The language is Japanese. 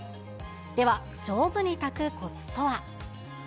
では上手に炊くこつとは。